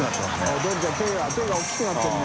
どんちゃん手が大きくなってるね。）